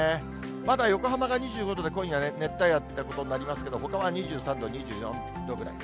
まだ横浜が２５度で、今夜熱帯夜っていうことになりますけれども、ほかは２３度、２４度ぐらい。